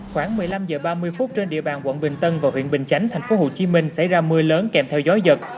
khoảng một mươi năm h ba mươi trên địa bàn quận bình tân và huyện bình chánh tp hcm xảy ra mưa lớn kèm theo gió giật